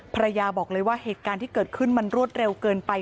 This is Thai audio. ภรรยาบอกเลยว่าเหตุการณ์ที่เกิดขึ้นมันรวดเร็วเกินไป